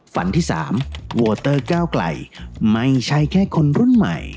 ฝันที่๓โวเตอร์ก้าวไกลไม่ใช่แค่คนรุ่นใหม่